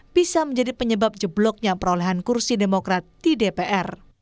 bisa menjadi penyebab jebloknya perolehan kursi demokrat di dpr